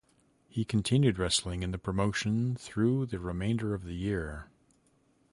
He continued wrestling in the promotion through the remainder of the year.